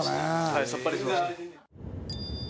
はいさっぱりしました。